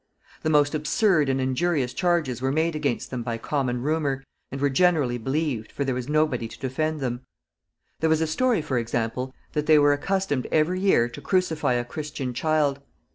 The most absurd and injurious charges were made against them by common rumor, and were generally believed, for there was nobody to defend them. There was a story, for example, that they were accustomed every year to crucify a Christian child.